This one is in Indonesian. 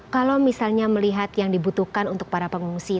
kalau misalnya melihat yang dibutuhkan untuk para pengungsi